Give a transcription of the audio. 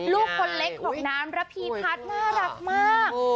ลูกคนเล็กของนั้นรพีพัดราบมาก